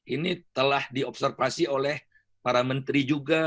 ini telah diobservasi oleh para menteri juga